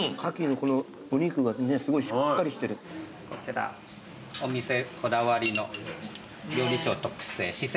こちらお店こだわりの料理長特製四川